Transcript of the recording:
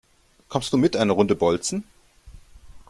Kommst du mit eine Runde bolzen?